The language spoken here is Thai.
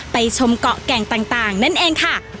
ชมเกาะแก่งต่างนั่นเองค่ะ